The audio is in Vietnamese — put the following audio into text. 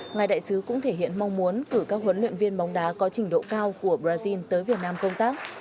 ngài đại sứ cũng thể hiện mong muốn cử các huấn luyện viên bóng đá có trình độ cao của brazil tới việt nam công tác